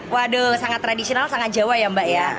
waduh sangat tradisional sangat jawa ya mbak ya